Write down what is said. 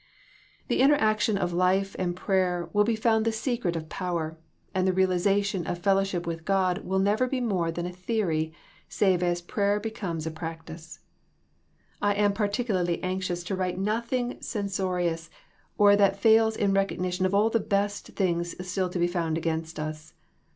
In the interaction of life and prayer will be found the secret of power, and the realization of fellowship with God will never be more than a theory save as prayer becomes a prac tice. I am particularly anxious to write nothing censorious or that fails in recognition of all the best things still to be found against us.